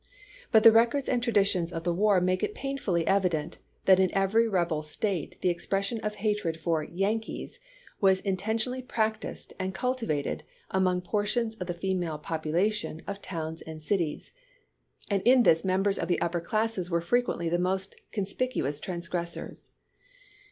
But the records and traditions of the war make it painfully evident that in every rebel State the expression of hatred for "Yankees" was intentionally practised and cultivated among portions of the female popu 280 ABKAHAM LINCOLN Chap. XVI. latioD of towiis and cities; and in this members of the upper classes were frequently the most conspicuous transgressors.